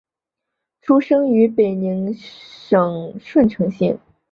出生于北宁省顺成县。